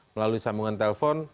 melalui sambungan telepon